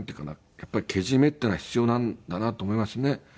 やっぱりけじめっていうのは必要なんだなと思いますね。